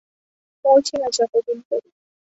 মরছি না যতদিন করি।